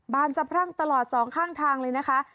บานสับพรั่งตลอด๒ข้างทางเลยนะคะ